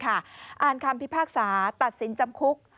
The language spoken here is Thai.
อ่านคำพิพากษาตัดสินจำคุก